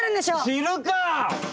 知るか！